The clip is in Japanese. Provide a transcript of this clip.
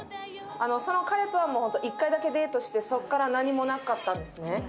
その彼とは１回だけデートしてそっから何もなかったんですね。